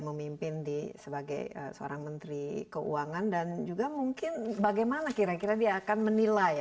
memimpin di sebagai seorang menteri keuangan dan juga mungkin bagaimana kira kira dia akan menilai